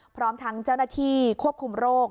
พร้อมทั้งเจ้าหน้าที่ควบคุมโรค